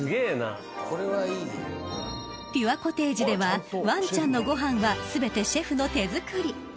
［ピュアコテージではワンちゃんのご飯は全てシェフの手作り］